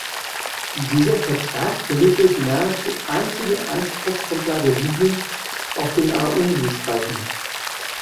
Dieser Vertrag bildete die nahezu einzige Anspruchsgrundlage Libyens auf den Aouzou-Streifen.